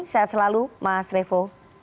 sehat selalu mas revo